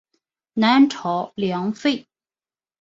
南朝梁废。